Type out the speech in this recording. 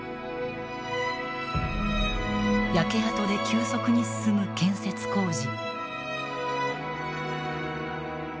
焼け跡で急速に進む建設工事。